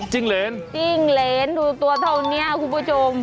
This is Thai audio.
เหรนจิ้งเหรนดูตัวเท่านี้คุณผู้ชม